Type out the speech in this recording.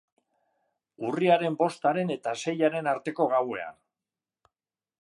Urriaren bostaren eta seiaren arteko gauean.